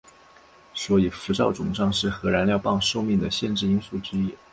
所以辐照肿胀是核燃料棒寿命的限制因素之一。